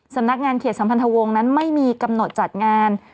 สำนักงานเขตสัมพันธวงศ์นั้นไม่มีกำหนดจัดงาน